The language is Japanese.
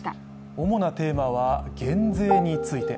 主なテーマは減税について。